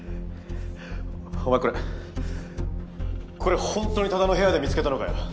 お前これこれほんとに多田の部屋で見つけたのかよ？